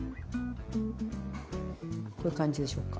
こういう感じでしょうか。